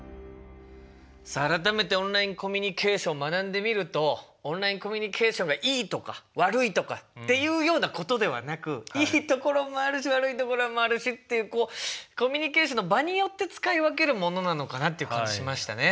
さあ改めてオンラインコミュニケーション学んでみるとオンラインコミュニケーションがいいとか悪いとかっていうようなことではなくいいところもあるし悪いところもあるしっていうコミュニケーションの場によって使い分けるものなのかなっていう感じしましたね。